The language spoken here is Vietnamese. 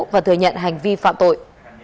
và thừa nhận hành vi phạm tội